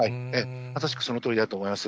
まさしくそのとおりだと思います。